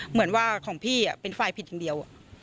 เหมือนว่าของพี่เป็นฝ่ายผิดอย่างเดียว